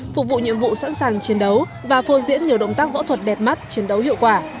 phục vụ nhiệm vụ sẵn sàng chiến đấu và phô diễn nhiều động tác võ thuật đẹp mắt chiến đấu hiệu quả